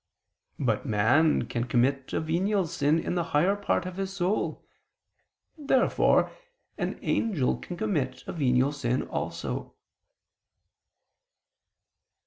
But man can commit a venial sin in the higher part of his soul. Therefore an angel can commit a venial sin also.